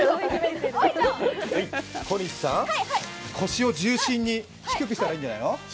小西さん、腰を重心に低くしたらいいんじゃないの？